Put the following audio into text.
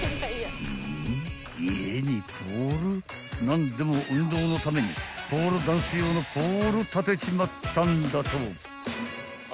［何でも運動のためにポールダンス用のポール立てちまったんだと］